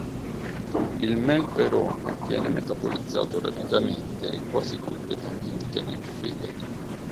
Il melperone viene metabolizzato rapidamente e quasi completamente nel fegato.